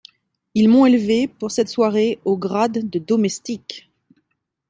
Ils m'ont élevé, pour cette soirée, au grade de domestique !